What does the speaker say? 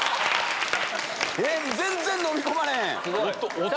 全然飲み込まれへん！